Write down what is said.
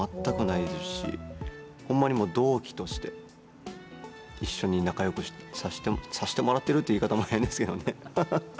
ほんまに、もう同期として一緒に仲よくさしてさしてもらってるって言い方も変ですけどね。